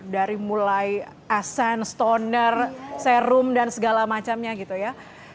dari mulai assan stoner serum dan segala macamnya gitu ya